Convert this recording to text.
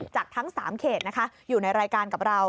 ทั้ง๓เขตนะคะอยู่ในรายการกับเรา